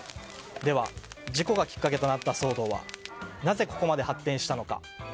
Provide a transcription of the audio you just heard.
では、事故がきっかけとなった騒動はなぜここまで発展したのか。